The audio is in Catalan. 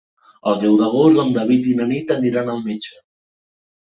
El deu d'agost en David i na Nit aniran al metge.